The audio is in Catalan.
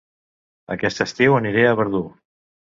Aquest estiu aniré a Verdú